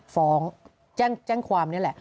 ฟ้องแจ้งความนี่แหละ